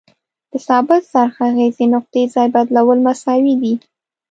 د ثابت څرخ اغیزې نقطې ځای بدلول مساوي دي.